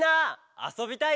あそびたい！